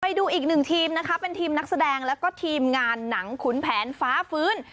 ไปดูอีกหนึ่งทีมนะคะเป็นทีมนักแสดงแล้วก็ทีมงานหนังขุนแผนฟ้าฟื้น